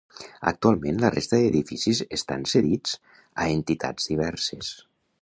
Actualment la resta d'edificis estan cedits a entitats diverses.